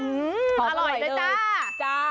อื้มอร่อยเลยจ้า